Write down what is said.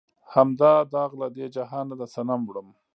هم دا داغ لۀ دې جهانه د صنم وړم